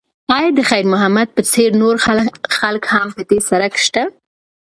ایا د خیر محمد په څېر نور خلک هم په دې سړک شته؟